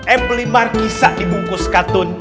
em beli markisa dibungkus katun